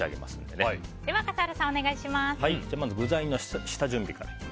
では具材の下準備から。